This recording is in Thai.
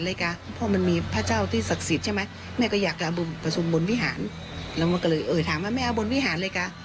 แล้วมันก็เลยถามว่าแม่เอาบุญวิหารเลยกะ